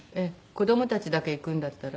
子供たちだけ行くんだったら。